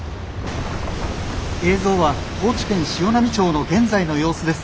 「映像は高知県潮波町の現在の様子です。